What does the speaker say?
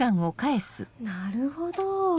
なるほど。